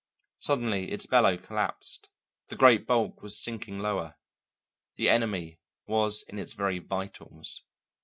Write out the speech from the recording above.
Suddenly its bellow collapsed; the great bulk was sinking lower; the enemy was in its very vitals.